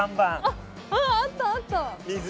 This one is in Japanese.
あっあったあった。